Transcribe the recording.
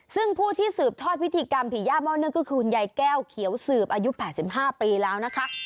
ซึ่งผู้ที่สืบทอดพิธีกรรมผีย่าม่อเนื่องก็คือคุณยายแก้วเขียวสืบอายุ๘๕ปีแล้วนะคะ